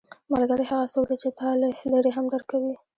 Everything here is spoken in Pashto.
ملګری هغه څوک دی چې تا له لرې هم درک کوي